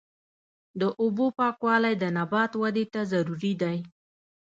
د اوبو پاکوالی د نبات ودې ته ضروري دی.